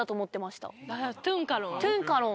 トゥンカロン。